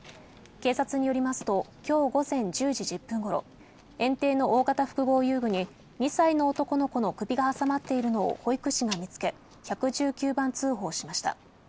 警察によりますと、きょう午前１０時１０分ごろ、園庭の大型複合遊具に２歳の男の子の首が挟まっているのを保育士が見つけ、１１９番通報しました。